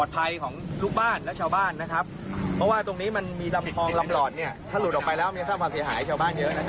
ถ้าหลุดออกไปแล้วมันยังสร้างความเสียหายชาวบ้านเยอะนะครับ